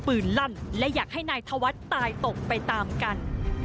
ลั่นและอยากให้นายธวัฒน์ตายตกไปตามกัน